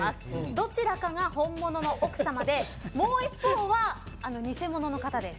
どちらかが本物の奥様でもう一方は、偽者の方です。